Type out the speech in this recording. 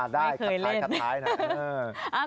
ได้คัดท้ายไม่เคยเล่น